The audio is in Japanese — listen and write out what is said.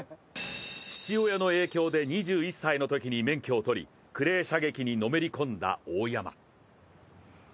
父親の影響で２１歳のときに免許を取りクレー射撃にのめり込んだ大山。